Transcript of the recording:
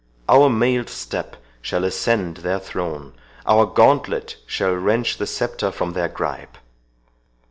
Our mailed step shall ascend their throne—our gauntlet shall wrench the sceptre from their gripe.